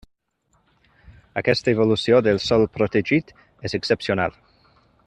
Aquesta evolució del sòl protegit és excepcional.